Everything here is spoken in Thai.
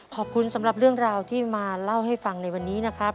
ขอบคุณสำหรับเรื่องราวที่มาเล่าให้ฟังในวันนี้นะครับ